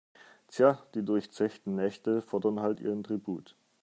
Tja, die durchzechten Nächte fordern halt ihren Tribut.